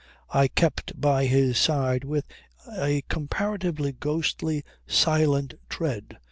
I kept by his side with a comparatively ghostly, silent tread.